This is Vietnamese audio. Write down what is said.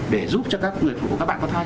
để giúp cho các người phụ của các bạn có thai